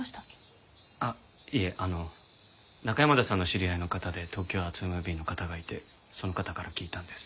あっいえあの中山田さんの知り合いの方で東京アーツムービーの方がいてその方から聞いたんです。